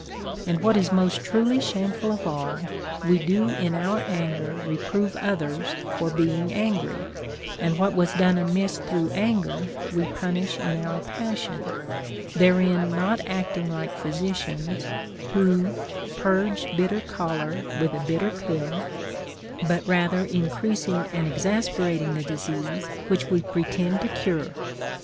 And, what is most truly shameful of all, we do in our anger reprove others for being angry, and what was done amiss through anger we punish in our passion, therein not acting like physicians, who Purge bitter choler with a bitter pill,* but rather increasing and exasperating the disease which we pretend to cure.